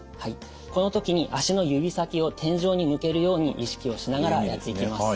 この時に足の指先を天井に向けるように意識をしながらやっていきます。